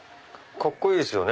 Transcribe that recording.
カッコいいですよね。